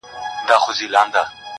یوه سیوري ته دمه سو لکه مړی-